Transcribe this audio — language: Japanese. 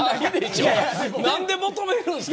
何で求めるんですか。